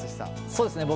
そうですね